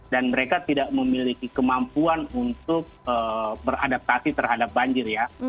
dan mereka tidak memiliki kemampuan untuk beradaptasi terhadap banjir ya